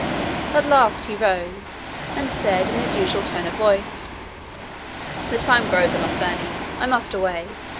At last he rose, and said in his usual tone of voice, "The time grows on us, Verney, I must away.